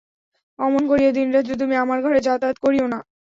অমন করিয়া দিনরাত্রি তুমি আমার ঘরে যাতায়াত করিয়ো না।